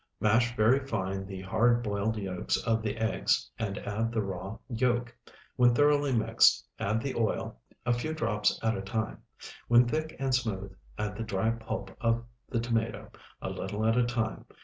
Mash very fine the hard boiled yolks of the eggs, and add the raw yolk. When thoroughly mixed, add the oil, a few drops at a time. When thick and smooth, add the dry pulp of the tomato, a little at a time.